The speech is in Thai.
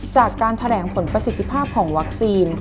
จากการแถลงผลประสิทธิภาพของวัคซีน